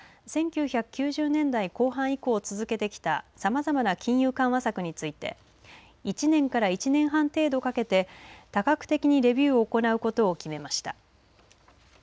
また日銀は１９９０年代後半以降続けてきたさまざまな金融緩和策について１年から１年半程度かけて多角的にレビューを行うことを決めました。